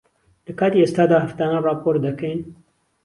لەکاتی ئێستادا، هەفتانە ڕاپۆرت دەکەین.